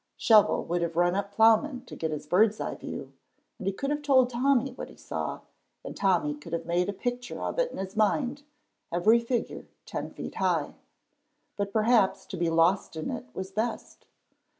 Shovel would have run up ploughmen to get his bird's eye view, and he could have told Tommy what he saw, and Tommy could have made a picture of it in his mind, every figure ten feet high. But perhaps to be lost in it was best.